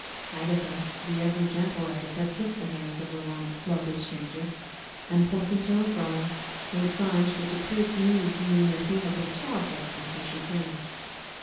Agatha, the ever gentle Agatha, kissed the hands of the lovely stranger, and pointing to her brother, made signs which appeared to me to mean that he had been sorrowful until she came.